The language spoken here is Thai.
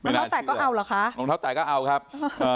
ไม่น่าเชื่อรองเท้าแตะก็เอาเหรอคะรองเท้าแตะก็เอาครับอ่า